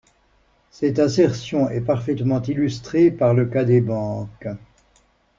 Cette assertion est parfaitement illustrée par le cas des banques.